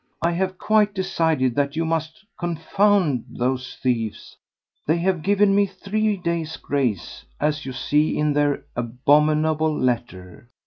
"I have quite decided that you must confound those thieves. They have given me three days' grace, as you see in their abominable letter.